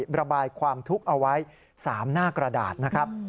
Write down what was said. ระบายความทุกข์เอาไว้๓หน้ากระดาษนะครับ